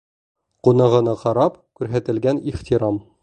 Ҡунағына ҡарап күрһәтелгән ихтирам.